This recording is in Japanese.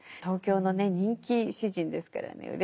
東京のね人気詩人ですからね